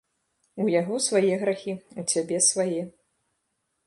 У яго свае грахі, у цябе свае.